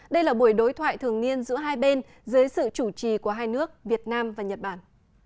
đây là buổi đối thoại thường niên giữa hai bên dưới sự chủ trì của hai nước việt nam và nhật bản